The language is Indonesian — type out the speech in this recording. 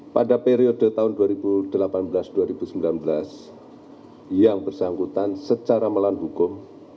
pada periode tahun dua ribu delapan belas dua ribu sembilan belas yang bersangkutan secara melawan hukum